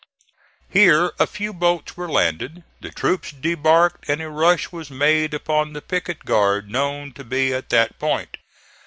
Here a few boats were landed, the troops debarked, and a rush was made upon the picket guard known to be at that point.